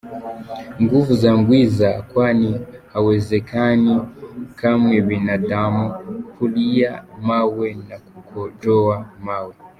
Nguvu za ghiza! kwani haiwezekani kamwe binadamu kuriya mawe na kukojowa mawe.